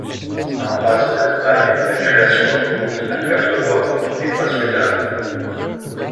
En rase campagne la création de routes à quatre voies n'est pas souhaitable.